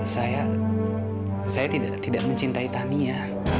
saya tidak mencintai tania